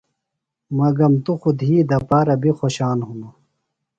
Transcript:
مگم توۡ خوۡ دھی دپارہ بیۡ خوشان ہِنوۡ۔